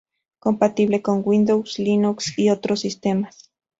Compatible con Windows, Linux y otros sistemas.